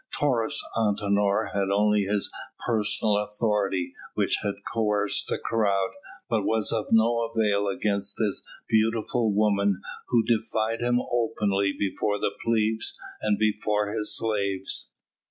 Taurus Antinor had only his personal authority which had coerced the crowd, but was of no avail against this beautiful woman who defied him openly before the plebs and before his slaves.